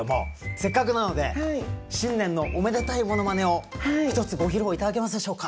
せっかくなので新年のおめでたいものまねを一つご披露頂けますでしょうか？